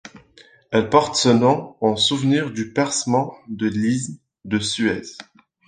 Elle porte ce nom en souvenir du percement de l'isthme de Suez.